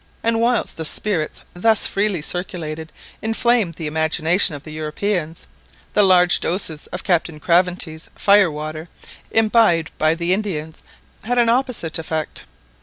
And whilst the spirits thus freely circulated inflamed the imagination of the Europeans, the large doses of Captain Craventy's "fire water" imbibed by the Indians had an opposite effect.